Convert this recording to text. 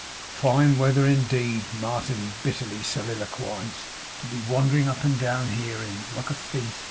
'Fine weather indeed,' Martin bitterly soliloquised, 'to be wandering up and down here in, like a thief!